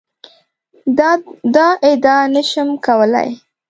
دا ادعا نه شم کولای.